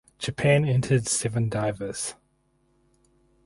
Japan entered seven divers.